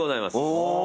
おお。